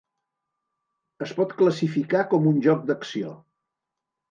Es pot classificar com un joc d'acció.